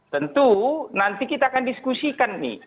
tentu nanti kita akan diskusikan nih